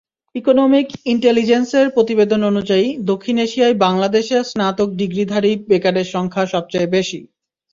Economic ইন্টেলিজেন্সের প্রতিবেদন অনুযায়ী, দক্ষিণ এশিয়ায় বাংলাদেশে স্নাতক ডিগ্রিধারী বেকারের সংখ্যা সবচেয়ে বেশি।